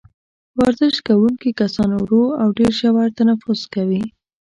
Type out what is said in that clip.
ورزش کوونکي کسان ورو او ډېر ژور تنفس کوي.